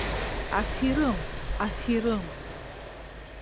Аферым, аферым.